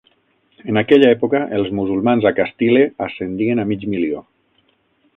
En aquella època els musulmans a Castile ascendien a mig milió.